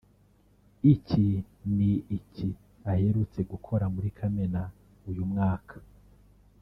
icyi ni icyi aherutse gukora muri Kamena uyu mwaka